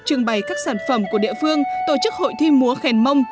trưng bày các sản phẩm của địa phương tổ chức hội thi múa khèn mông